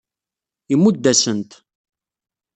Imudd-asen-t.